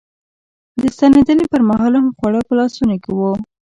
د ستنېدنې پر مهال هم خواړه په لاسونو کې و.